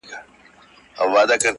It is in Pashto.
چي محفل د شرابونو به تيار وو!.